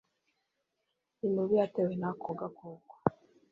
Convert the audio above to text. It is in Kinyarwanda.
Imibu yatewe ako gakoko